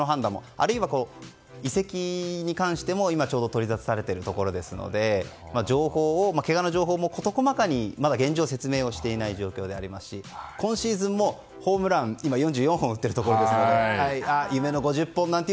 あるいは移籍に関して取りざたされているところですのでけがの情報も事細かにまだ現状説明してませんし今シーズンもホームラン今４４本打っているところですので夢の５０本も。